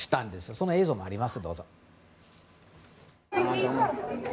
その映像もあります。